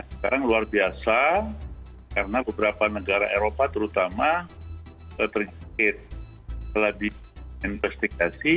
sekarang luar biasa karena beberapa negara eropa terutama terjangkit telah diinvestigasi